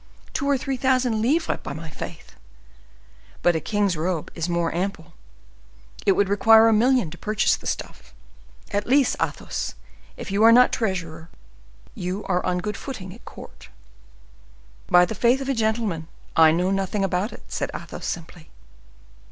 Two or three thousand livres, by my faith! But a king's robe is the more ample; it would require a million to purchase the stuff. At least, Athos, if you are not treasurer, you are on good footing at court." "By the faith of a gentleman, I know nothing about it," said Athos, simply.